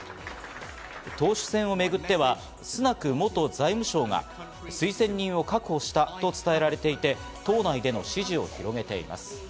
党首選をめぐってはスナク元財務相が推薦人を確保したと伝えられていて、党内での支持を広げています。